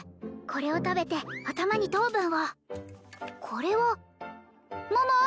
これを食べて頭に糖分をこれは桃！